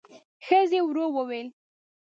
ښځې ورو وویل: